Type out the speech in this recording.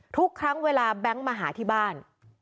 ทุกครั้งเวลาแบงค์มาหาที่บ้าน